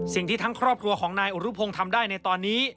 สิ่งที่ทั้งครอบครัวของนายอุรุพงศ์ทำได้ในตอนนี้